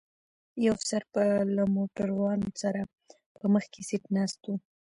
یو افسر به له موټروان سره په مخکي سیټ ناست و.